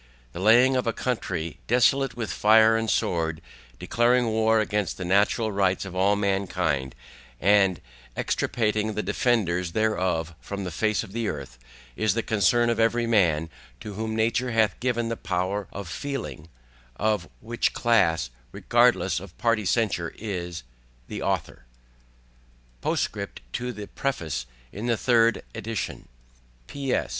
The laying of a Country desolate with Fire and Sword, declaring War against the natural rights of all Mankind, and extirpating the Defenders thereof from the Face of the Earth, is the Concern of every Man to whom Nature hath given the Power of feeling; of which Class, regardless of Party Censure, is THE AUTHOR POSTSCRIPT TO PREFACE IN THE THIRD EDITION P. S.